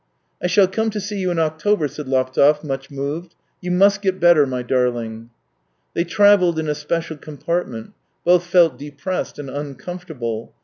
" I shall come to see you in October," said Laptev, much moved. " You must get better, my darling." They travelled in a special compartment. Both felt depressed and uncomfortable.